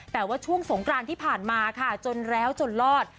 แต่ว่าช่วงสงกรานที่ผ่านมาค่ะจนแล้วจนรอด